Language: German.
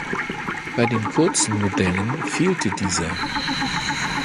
Bei den kurzen Modellen fehlte dieser.